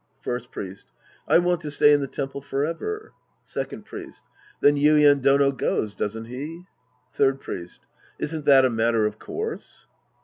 First Priest. I want to stay in the temple forever. Second Priest. Then Yuien Dono goes, doesn't he ? Third Priest. Isn't that a matter of course